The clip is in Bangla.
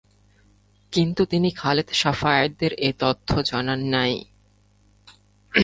কিন্তু তিনি খালেদ-শাফায়েতদের এই তথ্য জানান নাই।